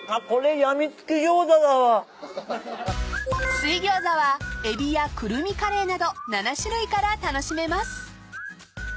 ［水餃子はエビやくるみカレーなど７種類から楽しめます］